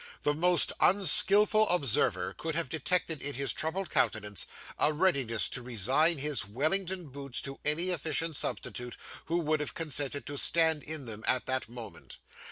The most unskilful observer could have detected in his troubled countenance, a readiness to resign his Wellington boots to any efficient substitute who would have consented to stand in them at that moment.